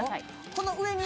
この上に？